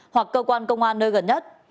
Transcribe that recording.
hoặc cơ quan công an nơi gần nhất